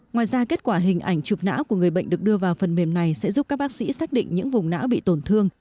ngoài ra kết quả hình ảnh chụp não của người bệnh được đưa vào phần mềm này sẽ giúp các bác sĩ xác định những vùng não bị tổn thương